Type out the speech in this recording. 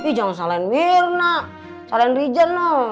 ih jangan salahin mirna salahin rija noh